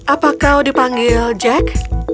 apakah kau dipanggil jack